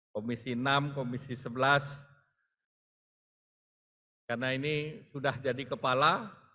komisi enam komisi sebelas karena ini sudah jadi kepala